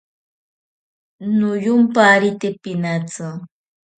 Noyomparite pinatsi.